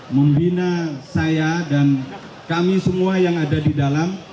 membina saya dan kami semua yang ada di dalam